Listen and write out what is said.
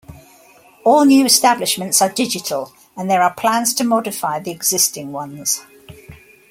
All new establishments are digital and there are plans to modify the existing ones.